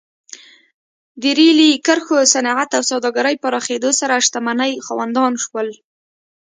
د ریلي کرښو، صنعت او سوداګرۍ پراخېدو سره شتمنۍ خاوندان شول.